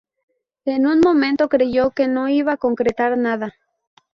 En un momento creyó que no iba a concretar nada.